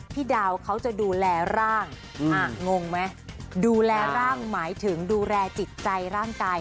พี่ดาวเขาจะดูแลร่างงงไหมดูแลร่างหมายถึงดูแลจิตใจร่างกาย